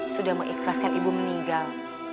sudah mengikhlaskan ibu meninggal